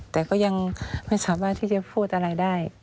แต่ก็ยังไม่สามารถที่จะพูดอะไรได้